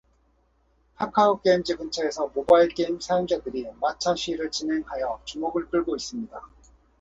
카카오게임즈 근처에서 모바일 게임 사용자들이 마차 시위를 진행하여 주목을 끌고 있습니다.